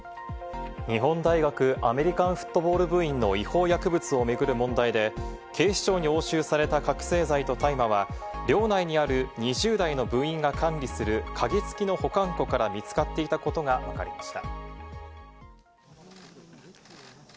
日本大学アメリカンフットボール部員の違法薬物を巡る問題で、警視庁に押収された覚醒剤と大麻は寮内にある２０代の部員が管理する鍵付きの保管庫から見つかっていたことがわかりました。